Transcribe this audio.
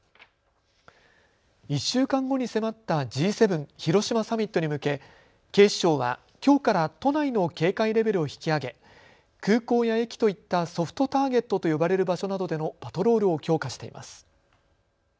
１週間後に迫ったＧ７広島サミットに向け警視庁はきょうから都内の警戒レベルを引き上げ空港や駅といったソフトターゲットと呼ばれる場所などでのパトロールを強化しています。